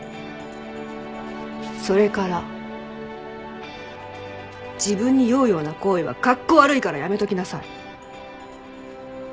それから自分に酔うような行為はカッコ悪いからやめときなさい。